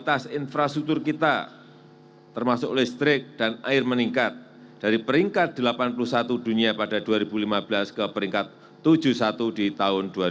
yang saya hormati bapak haji muhammad yudhkala